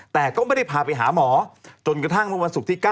แต่ก็ไม่ได้พาไปหาหมอจนกระทั่งเมื่อวันศุกร์ที่๙